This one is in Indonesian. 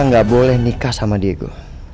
mona gak boleh nikah sama dego